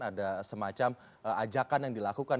ada semacam ajakan yang dilakukan